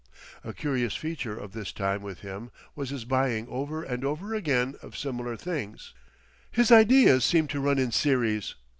A curious feature of this time with him was his buying over and over again of similar things. His ideas seemed to run in series.